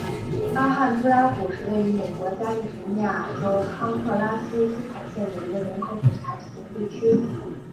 阿罕布拉谷是位于美国加利福尼亚州康特拉科斯塔县的一个人口普查指定地区。